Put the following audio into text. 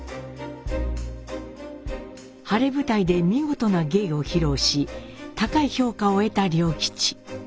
晴れ舞台で見事な芸を披露し高い評価を得た良吉。